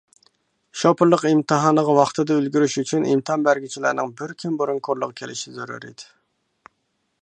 شوپۇرلۇق ئىمتىھانىغا ۋاقتىدا ئۈلگۈرۈش ئۈچۈن، ئىمتىھان بەرگۈچىلەرنىڭ بىر كۈن بۇرۇن كورلىغا كېلىشىشى زۆرۈر ئىدى.